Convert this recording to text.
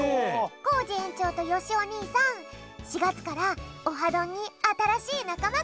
コージえんちょうとよしおにいさん４がつから「オハどん」にあたらしいなかまがくるんだよね。